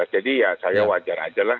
jadi ya saya wajar aja lah